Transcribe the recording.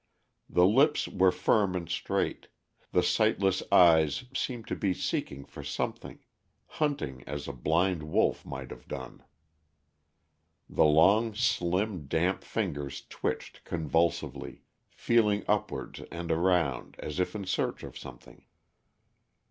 The lips were firm and straight, the sightless eyes seemed to be seeking for something, hunting as a blind wolf might have done. The long, slim, damp fingers twitched convulsively; feeling upwards and around as if in search of something.